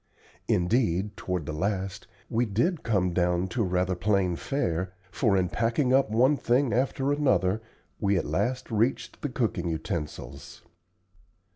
Indeed, toward the last, we did come down to rather plain fare, for in packing up one thing after another we at last reached the cooking utensils.